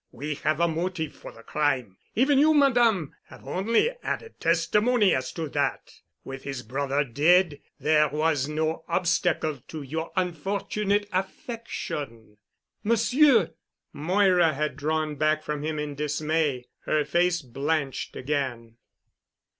We have a motive for the crime. Even you, Madame, have only added testimony as to that. With his brother dead, there was no obstacle to your unfortunate affection——" "Monsieur——!" Moira had drawn back from him in dismay, her face blanched again.